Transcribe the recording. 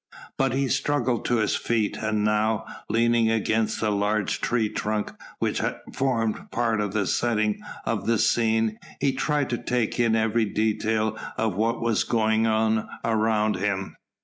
But he struggled to his feet, and now, leaning against a large tree trunk which had formed part of the setting of the scene, he tried to take in every detail of what was going on around him.